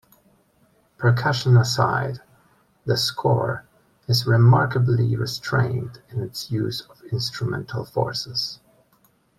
Percussion aside, the score is remarkably restrained in its use of instrumental forces.